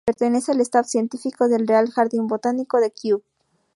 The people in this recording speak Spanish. Pertenece al staff científico del Real Jardín Botánico de Kew.